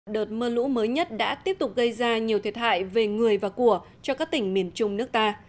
đợt mưa lũ mới nhất đã tiếp tục gây ra nhiều thiệt hại về người và của cho các tỉnh miền trung nước ta